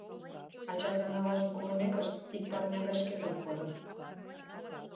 Ачаж ден аважын колымекышт, ик парня гай шкетын кодын.